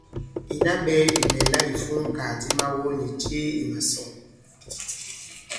Ìna ɓɛɛ̄ ì mɛ̀nla ìfumkàgàdi mawɔ nì jee ì màsɔ̌ŋ.